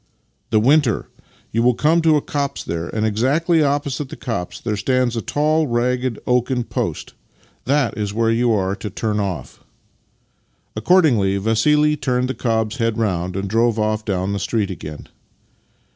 "" The vv'inter. You will come to a copse there, and exactly opposite the copse there stands a tall, ragged oaken post. That is where j'ou are to turn off." Accordingly Vassili turned the cob's head round, ajad drove off down the street again.